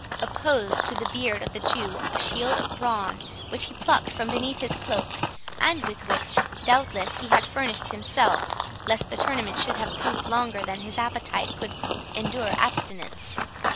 opposed to the beard of the Jew a shield of brawn, which he plucked from beneath his cloak, and with which, doubtless, he had furnished himself, lest the tournament should have proved longer than his appetite could endure abstinence.